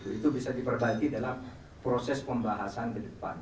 itu bisa diperbaiki dalam proses pembahasan ke depan